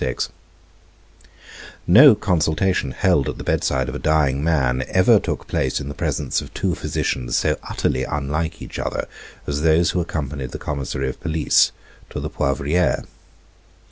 VI No consultation held at the bedside of a dying man ever took place in the presence of two physicians so utterly unlike each other as those who accompanied the commissary of police to the Poivriere.